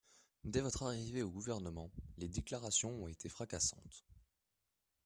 Dès votre arrivée au Gouvernement, les déclarations ont été fracassantes.